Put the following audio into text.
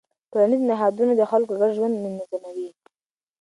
ټولنیز نهادونه د خلکو ګډ ژوند منظموي.